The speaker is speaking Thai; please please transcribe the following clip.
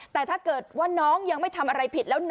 แต่ถ้าเกิดว่าน้องยังไม่ทำอะไรผิดแล้ว